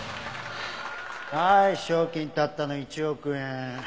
はい賞金たったの１億円。